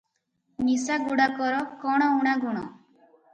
ନିଶାଗୁଡ଼ାକର କ’ଣ ଊଣା ଗୁଣ?